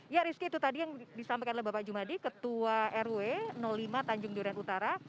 ya rizky itu tadi yang disampaikan oleh bapak jumadi ketua rw lima tanjung duren utara